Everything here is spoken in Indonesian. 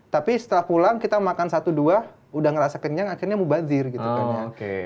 tapi setelah pulang kita makan satu dua udah ngerasa kenyang akhirnya mubazir gitu kan ya